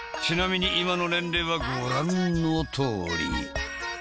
ちなみに今の年齢はご覧のとおり。